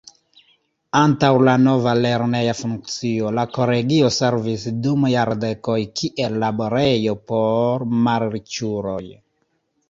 Antaŭ la nova lerneja funkcio la Kolegio servis dum jardekoj kiel laborejo por malriĉuloj.